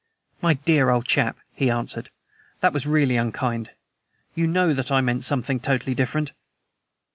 "My dear old chap," he answered, "that was really unkind. You know that I meant something totally different."